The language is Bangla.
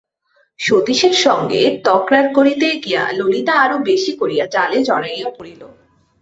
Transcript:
সতীশের সঙ্গে তকরার করিতে গিয়া ললিতা আরো বেশি করিয়া জালে জড়াইয়া পড়িল।